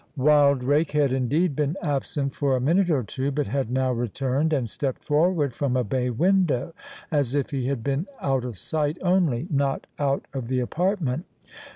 Wildrake had, indeed, been absent for a minute or two, but had now returned, and stepped forward from a bay window, as if he had been out of sight only, not out of the apartment.